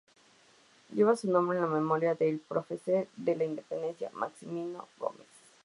Lleva su nombre en memoria del prócer de la independencia Máximo Gómez.